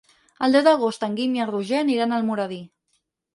El deu d'agost en Guim i en Roger aniran a Almoradí.